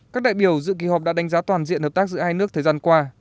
các đại biểu dự kỳ họp đã đánh giá toàn diện hợp tác giữa hai nước thời gian qua